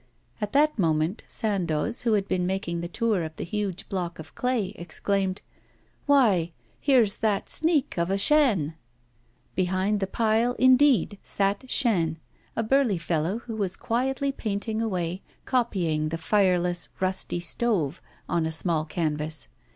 At that moment Sandoz, who had been making the tour of the huge block of clay, exclaimed: 'Why, here's that sneak of a Chaîne.' Behind the pile, indeed, sat Chaîne, a burly fellow who was quietly painting away, copying the fireless rusty stove on a small canvas.